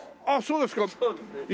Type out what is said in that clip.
あっそうですか。